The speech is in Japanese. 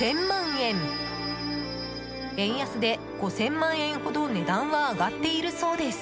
円安で、５０００万円ほど値段は上がっているそうです。